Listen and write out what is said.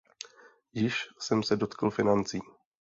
Již jsem se dotkl financí.